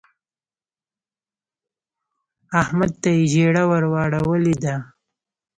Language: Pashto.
احمد ته يې ژیړه ور واړولې ده.